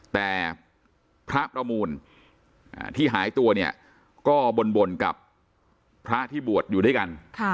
แต่พระประมูลที่หายตัวเนี่ยก็บ่นกับพระที่บวชอยู่ด้วยกัน